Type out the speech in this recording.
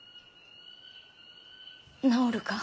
治るか！？